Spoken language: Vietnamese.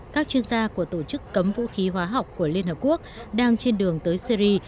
các chuyên gia của tổ chức cấm vũ khí hóa học của liên hợp quốc đang trên đường tới syri